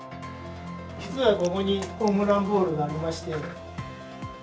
実はここにホームランボールがありまして。